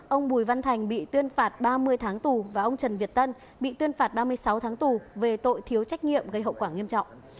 ông bùi văn thành bị tuyên phạt ba mươi tháng tù và ông trần việt tân bị tuyên phạt ba mươi sáu tháng tù về tội thiếu trách nhiệm gây hậu quả nghiêm trọng